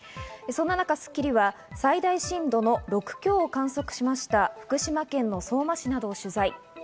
そんな中、『スッキリ』は最大震度の６強を観測しました、福島県の相馬市などを取材。